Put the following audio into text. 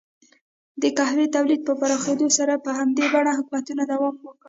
د قهوې تولید په پراخېدو سره یې په همدې بڼه حکومتونو دوام وکړ.